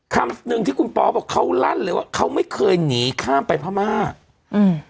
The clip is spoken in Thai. คำหนึ่งที่คุณปอบอกเขาลั่นเลยว่าเขาไม่เคยหนีข้ามไปพม่าอืม